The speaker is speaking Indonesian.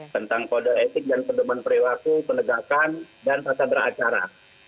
tentang kode etik dan kedepan periwaku penegakan dan sasabra acara